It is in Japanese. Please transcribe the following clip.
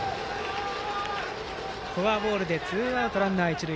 フォアボールでツーアウトランナー、一塁。